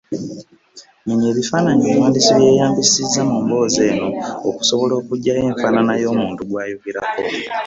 Menya ebifaananyi omuwandiisi bye yeeyambisizza mu mboozi eno okusobola okuggyayo enfaanana y’omuntu gw’ayogerako